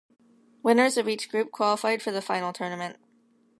Winners of each group qualified for the final tournament.